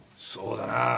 そうだな。